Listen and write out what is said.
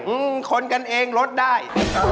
อืมคนกันเองลดได้